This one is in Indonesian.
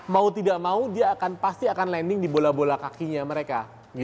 mau tidak mau dia pasti akan landing di bola bola kakinya mereka